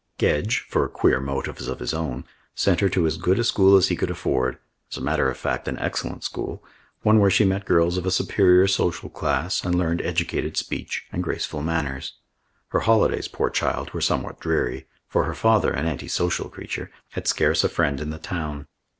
Gedge, for queer motives of his own, sent her to as good a school as he could afford, as a matter of fact an excellent school, one where she met girls of a superior social class and learned educated speech and graceful manners. Her holidays, poor child, were somewhat dreary, for her father, an anti social creature, had scarce a friend in the town.